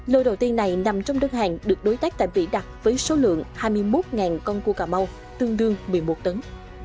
lô đầu tiên này nằm trong đơn hàng được đối tác tại mỹ đặt với số lượng hai mươi một con cua cà mau tương đương một mươi một tấn